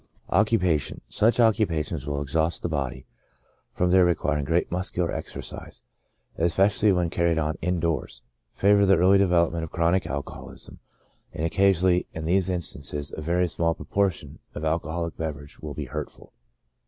Occupation. — Such occupations as exhaust the body, from their requiring great muscular exercise, especially when carried on in doors, favor the early development of chronic alcoholism, and occasionally in these instances a very small proportion of alcoholic beverage will be hurtful.